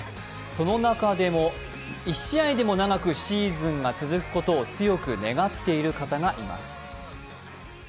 その中でも１試合でも長くシーズンが続くことを強く願っている方がいます。